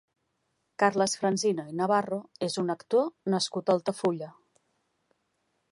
Carles Francino i Navarro és un actor nascut a Altafulla.